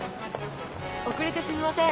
遅れてすみません。